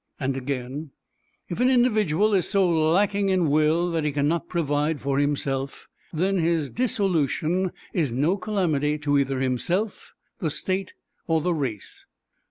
And again, "If an individual is so lacking in will that he can not provide for himself, then his dissolution is no calamity to either himself, the State or the race."